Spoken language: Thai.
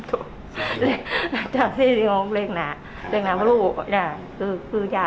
ตกใจเลยหรือเปล่า